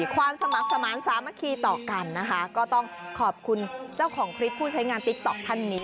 ความสมัครสมาธิสามัคคีต่อกันนะคะก็ต้องขอบคุณเจ้าของคลิปผู้ใช้งานติ๊กต๊อกท่านนี้